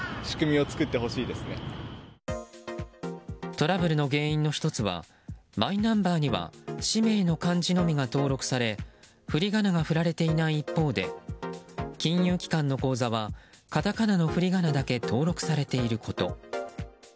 トラブルの原因の１つはマイナンバーには氏名の漢字のみが登録されふりがなが振られていない一方で金融機関の口座はカタカナの振り仮名だけ登録されていること。